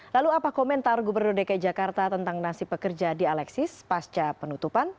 lalu apa komentar gubernur dki jakarta tentang nasib pekerja di alexis pasca penutupan